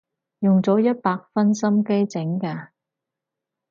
用咗一百分心機整㗎